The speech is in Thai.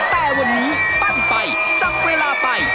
แต่วันนี้ปั้นไปจับเวลาไป